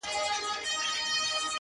o تا بدرنگۍ ته سرټيټی په لېونتوب وکړ؛